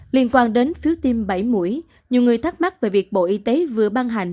liên quan đến phiếu tiêm bảy mũi nhiều người thắc mắc về việc bộ y tế vừa ban hành